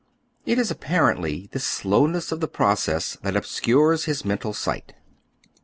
It is apparently the slowness of the process that obscnrea his mental sight.